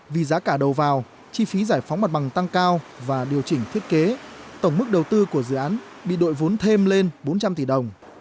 vì giá cả đầu vào chi phí giải phóng mặt bằng tăng cao và điều chỉnh thiết kế tổng mức đầu tư của dự án bị đội vốn thêm lên bốn trăm linh tỷ đồng